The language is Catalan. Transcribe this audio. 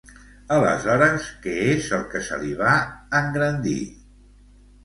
Aleshores, què és el que se li va engrandir?